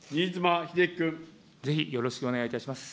ぜひよろしくお願いいたします。